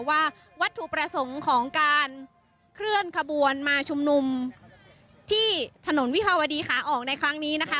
ว่าวัตถุประสงค์ของการเคลื่อนขบวนมาชุมนุมที่ถนนวิภาวดีขาออกในครั้งนี้นะคะ